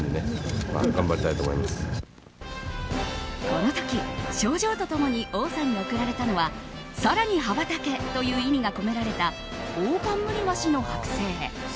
この時、賞状と共に王さんに贈られたのは更に羽ばたけという意味が込められたオオカンムリワシの剥製。